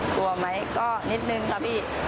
กลัวไหมก็นิดนึงค่ะพี่